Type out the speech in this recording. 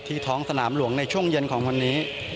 ท้องสนามหลวงในช่วงเย็นของวันนี้